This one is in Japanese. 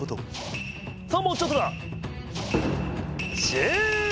さあもうちょっとだ！